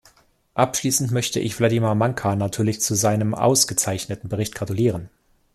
Abschließend möchte ich Vladimir Maňka natürlich zu seinem ausgezeichneten Bericht gratulieren.